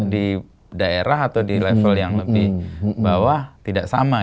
di daerah atau di level yang lebih bawah tidak sama